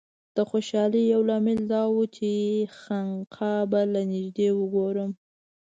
د خوشالۍ یو لامل دا و چې خانقاه به له نږدې وګورم.